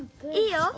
いいよ。